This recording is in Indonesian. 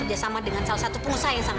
emang sama persis ya